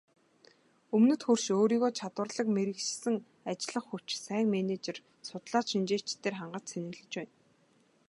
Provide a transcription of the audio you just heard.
Өмнөд хөрш өөрийгөө чадварлаг мэргэшсэн ажиллах хүч, сайн менежер, судлаач, шинжээчдээр хангаж цэнэглэж байна.